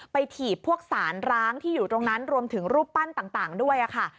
ถีบพวกสารร้างที่อยู่ตรงนั้นรวมถึงรูปปั้นต่างด้วยค่ะ